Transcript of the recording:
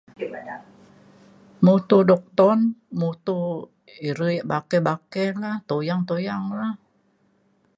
mutu duktun mutu iri yak bakeh bakeh na tuyang tuyang re.